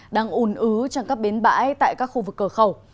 đang ủn ứ trong các bến bãi tại các khu vực cửa khẩu